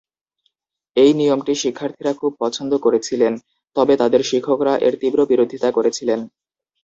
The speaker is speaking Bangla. এই নিয়মটি শিক্ষার্থীরা খুব পছন্দ করেছিলেন, তবে তাদের শিক্ষকরা এর তীব্র বিরোধিতা করেছিলেন।